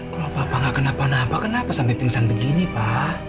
kalau papa gak kenapa napa kenapa sampai pingsan begini pak